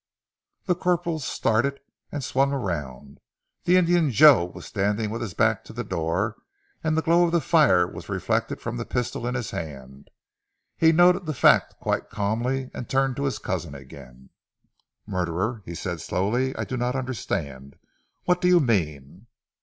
The corporal started, and swung round. The Indian, Joe, was standing with his back to the door, and the glow of the fire was reflected from the pistol in his hand. He noted the fact quite calmly, and turned to his cousin again. "Murderer?" he said slowly. "I do not understand. What do you mean?"